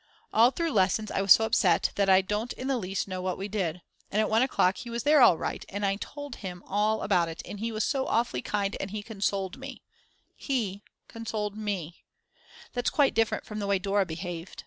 All through lessons I was so upset that I don't in the least know what we did. And at 1 o'clock he was there all right, and I told him all about it and he was so awfully kind and he consoled me; he consoled me. That's quite different from the way Dora behaved.